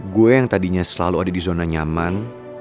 gue yang tadinya selalu ada di zona nyaman